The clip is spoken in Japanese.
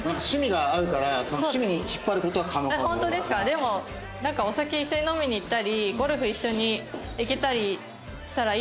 でもなんかお酒一緒に飲みに行ったりゴルフ一緒に行けたりしたらいいなって。